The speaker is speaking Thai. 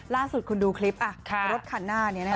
ล่าสุดคุณดูคลิปรถคันหน้านี้นะคะ